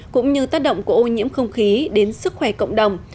cũng như tác động của ô nhiễm không khí đến sức khỏe cộng đồng